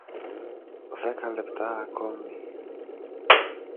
Δέκα λεπτά ακόμη